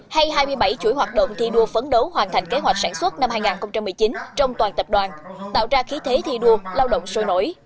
hay hai mươi bảy chuỗi hoạt động thi đua phấn đấu hoàn thành kế hoạch sản xuất năm hai nghìn một mươi chín trong toàn tập đoàn tạo ra khí thế thi đua lao động sôi nổi